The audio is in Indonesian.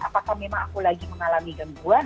apakah memang aku lagi mengalami gangguan